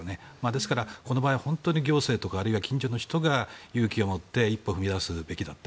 ですから、この場合は行政とか、あるいは近所の人が勇気を持って一歩を踏み出すべきだった。